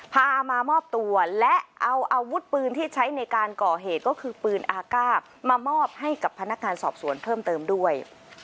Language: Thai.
พามามอบตัวและเอาอาวุธปืนที่ใช้ในการก่อเหตุก็คือปืนอาก้ามามอบให้กับพนักงานสอบสวนเพิ่มเติมด้วย